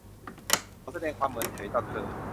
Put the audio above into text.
เขาแสดงความเมินเฉยต่อเธอ